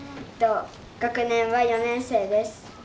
学年は４年生です。